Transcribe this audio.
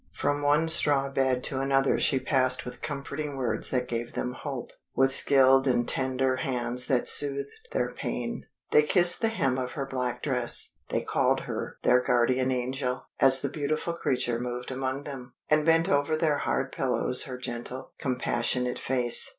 From one straw bed to another she passed with comforting words that gave them hope, with skilled and tender hands that soothed their pain. They kissed the hem of her black dress, they called her their guardian angel, as the beautiful creature moved among them, and bent over their hard pillows her gentle, compassionate face.